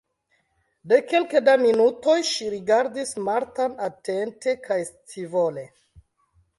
De kelke da minutoj ŝi rigardis Martan atente kaj scivole.